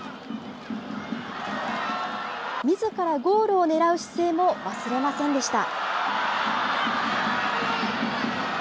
みずからゴールを狙う姿勢も忘れませんでした。